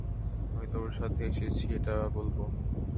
আমি তোর সাথে এসেছি এটা বলব?